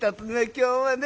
今日はね